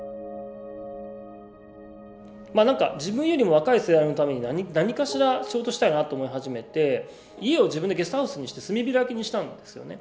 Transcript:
まなんか自分よりも若い世代のために何かしら仕事したいなと思い始めて家を自分でゲストハウスにして住み開きにしたんですよね。